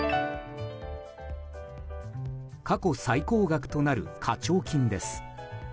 過去最高額となる課徴金です。